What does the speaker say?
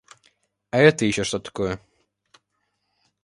А это еще что такое?